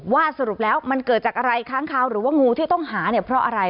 สรุปแล้วมันเกิดจากอะไรค้างคาวหรือว่างูที่ต้องหาเนี่ยเพราะอะไร